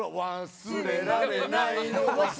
「忘れられないの」